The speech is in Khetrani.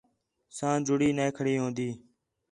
ساں جڑی نَے کھڑی ہون٘دی